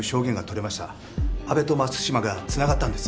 阿部と松島が繋がったんです。